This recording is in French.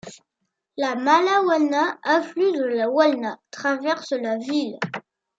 La Mała Wełna, affluent de la Wełna, traverse la ville.